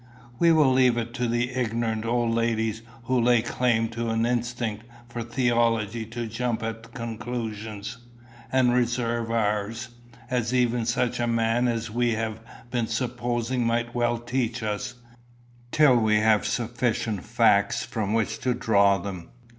We will leave it to ignorant old ladies who lay claim to an instinct for theology to jump at conclusions, and reserve ours as even such a man as we have been supposing might well teach us till we have sufficient facts from which to draw them.